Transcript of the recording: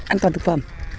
an toàn thực phẩm